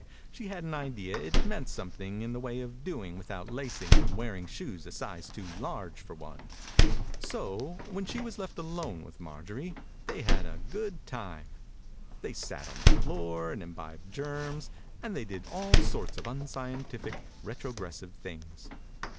She had an idea it meant something in the 57 THE INCUBATOR BABY way of doing without lacing and wearing shoes a size too large for one. So when she was left alone with Marjorie they had a good time. They sat on the floor and imbibed germs, and they did all sorts of unscientific, retro gressive things.